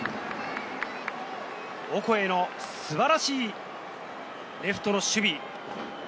オコエの素晴らしいレフトの守備。